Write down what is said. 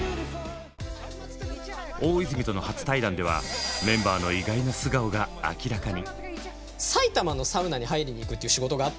大泉との初対談ではメンバーの意外な素顔が明らかに。